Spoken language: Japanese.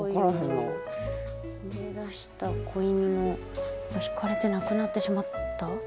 逃げ出した仔犬のひかれて亡くなってしまった？